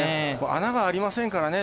穴がありませんからね